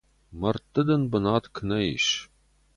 Мӕрдты дын бынат куы нӕ ис!